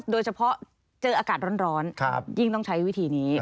โดยเฉพาะเจออากาศร้อนยิ่งต้องใช้วิธีนี้